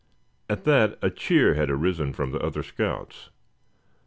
At that a cheer had arisen from the other scouts.